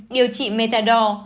điều trị metadol